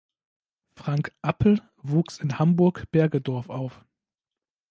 Frank Appel wuchs in Hamburg-Bergedorf auf.